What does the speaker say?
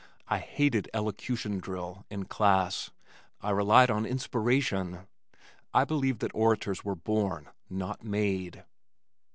I hated "elocution" drill in class, I relied on "inspiration." I believed that orators were born, not made.